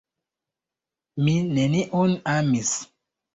mi neniun amis.